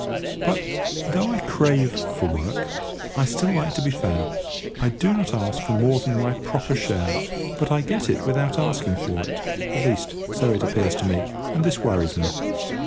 But, though I crave for work, I still like to be fair. I do not ask for more than my proper share. But I get it without asking for it—at least, so it appears to me—and this worries me.